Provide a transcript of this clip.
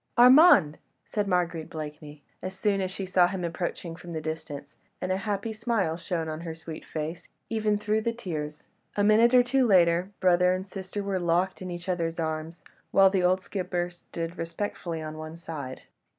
"Armand!" said Marguerite Blakeney, as soon as she saw him approaching from the distance, and a happy smile shone on her sweet face, even through the tears. A minute or two later brother and sister were locked in each other's arms, while the old skipper stood respectfully on one side.